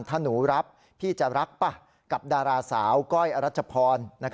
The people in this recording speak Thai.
ถ้าหนูรับพี่จะรักป่ะกับดาราสาวก้อยอรัชพร